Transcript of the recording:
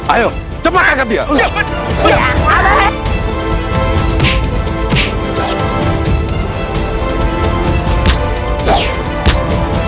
ayo jembatan dengan dia